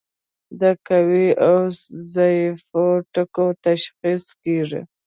د قوي او ضعیفو ټکو تشخیص کیږي.